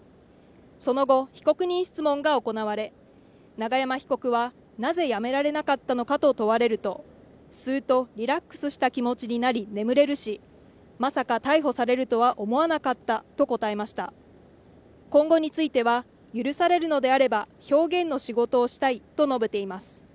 その後被告人質問が行われ永山被告はなぜやめられなかったのかと問われると吸うとリラックスした気持ちになり眠れるしまさか逮捕されるとは思わなかったと答えました今後については許されるのであれば表現の仕事をしたいと述べています